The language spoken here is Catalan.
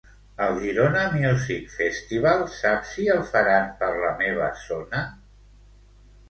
El Girona Music Festival saps si el faran per la meva zona?